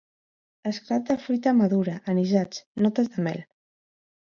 Esclat de fruita madura, anisats, notes de mel.